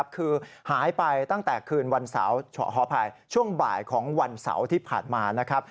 คือหายไปตั้งแต่คืนวันเสาร์ขออภัยช่วงบ่ายของวันเสาร์ที่ผ่านมานะครับ